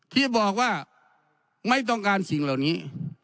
ที่บอกว่าไม่ต้องการสิ่งเหล่านี้